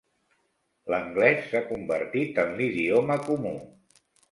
L'anglès s'ha convertit en l'idioma comú.